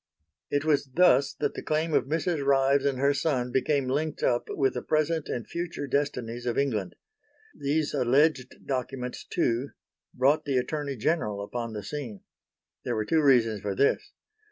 It was thus that the claim of Mrs. Ryves and her son became linked up with the present and future destinies of England. These alleged documents too, brought the Attorney General upon the scene. There were two reasons for this.